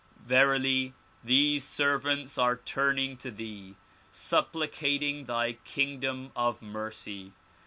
verily these servants are turning to thee, supplicating thy kingdom of mercy.